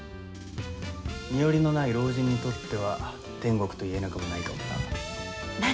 身寄りのない老人にとっては天国といえなくもないかもな。